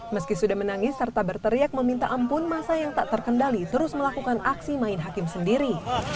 meski sudah menangis serta berteriak meminta ampun masa yang tak terkendali terus melakukan aksi main hakim sendiri